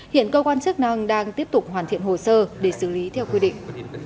hiện cơ quan chức năng đang tiếp tục hoàn thiện hồ sơ để xử lý theo quy định